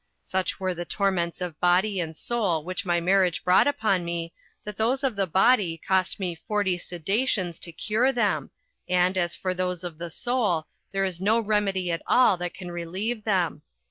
Such were the torments of body and soul which my marriage brought upon me, that those of the body cost me forty sudations to cure them, and, as for those of the soul, there is no remedy at all that can relieve them.